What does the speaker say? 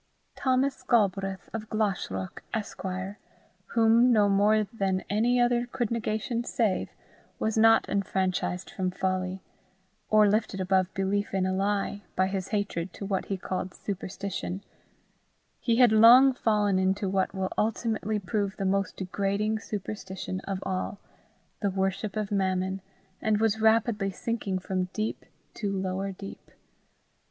Thomas Galbraith, of Glashruach, Esquire, whom no more than any other could negation save, was not enfranchised from folly, or lifted above belief in a lie, by his hatred to what he called superstition: he had long fallen into what will ultimately prove the most degrading superstition of all the worship of Mammon, and was rapidly sinking from deep to lower deep.